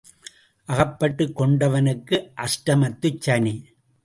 அகப்பட்டுக் கொண்டவனுக்கு அஷ்டமத்துச் சனி.